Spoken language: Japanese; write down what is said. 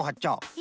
え！